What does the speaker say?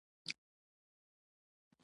دلاور خان ونیول شو او کابل ته یې بندي راووست.